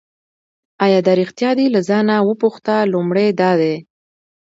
آیا دا ریښتیا دي له ځانه وپوښته لومړی دا دی.